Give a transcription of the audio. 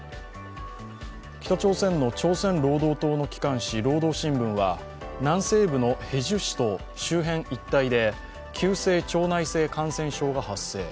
北朝鮮の朝鮮労働党の機関紙「労働新聞」は南西部のヘジュ市と周辺一帯で急性腸内性感染症が発生。